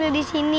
dia juga di sini